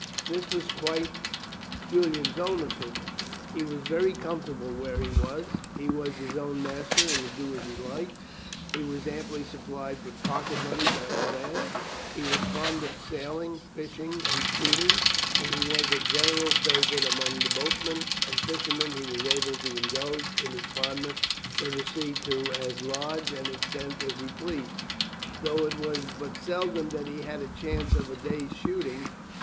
This was quite Julian's own opinion. He was very comfortable where he was. He was his own master, and could do as he liked. He was amply supplied with pocket money by his aunt; he was fond of sailing, fishing, and shooting; and as he was a general favourite among the boatmen and fishermen he was able to indulge in his fondness for the sea to as large an extent as he pleased, though it was but seldom that he had a chance of a day's shooting.